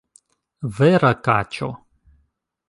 Vera kaĉo!